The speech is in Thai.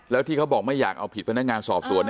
แล้วที่เขาบอกไม่อยากเอาผิดพนักงานสอบสวน